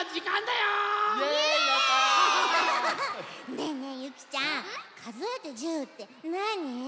ねえねえゆきちゃんかぞえて１０ってなに？